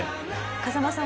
風間さん